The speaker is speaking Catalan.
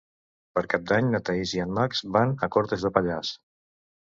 Per Cap d'Any na Thaís i en Max van a Cortes de Pallars.